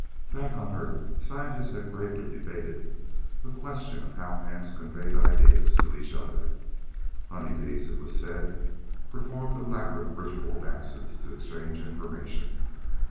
Back on Earth, scientists had gravely debated the question of how ants conveyed ideas to each other. Honeybees, it was said, performed elaborate ritual dances to exchange information.